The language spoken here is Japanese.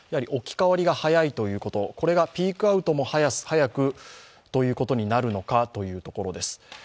置き換わりが速いということ、これがピークアウトも早くということになるかというところです。